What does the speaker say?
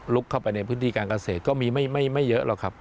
เข้าไปในพื้นที่การเกษตรก็มีไม่เยอะหรอกครับ